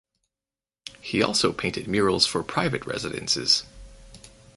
He also painted murals for private residences.